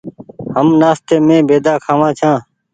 هم نآستي مين بيدآ کآوآن ڇآن ۔